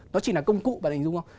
nó chỉ là công cụ bạn hình dung không